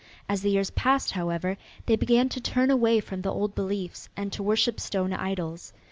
As the years passed, however, they began to turn away from the old beliefs and to worship stone idols.